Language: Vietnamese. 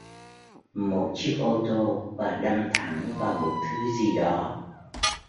Một chiếc ô tô và đâm thẳng vào một thứ gì đó